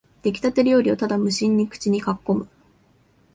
できたて料理をただ無心で口にかっこむ